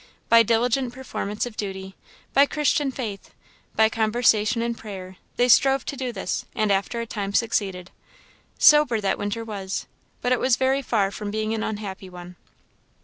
By diligent performance of duty, by Christian faith, by conversation and prayer, they strove to do this; and after a time succeeded. Sober that winter was, but it was very far from being an unhappy one.